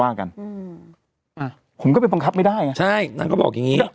ว่ากันอืมอ่าผมก็ไปบังคับไม่ได้ไงใช่นางก็บอกอย่างงี้